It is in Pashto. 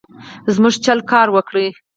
زموږ چل کار ورکړ.